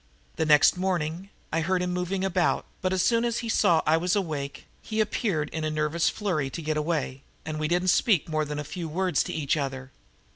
The next morning I heard him moving about, but as soon as he saw I was awake, he appeared in a nervous flurry to get away, and we didn't speak more than a few words to each other.